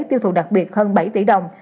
tiêu thụ đặc biệt hơn bảy tỷ đồng